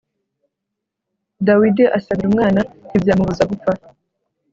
dawidi asabira umwana ntibyamubuza gupfa